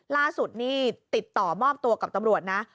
ล่าสุดนี่ติดต่อมอบตัวกับตำรวจนะ